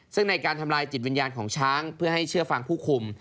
ซึ่งในการทำลายจิตวิญญาณของช้างเพื่อให้เชื่อฟังผู้คุม